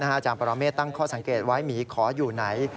อาจารย์ปรเมฆตั้งข้อสังเกตไว้หมีขออยู่ไหน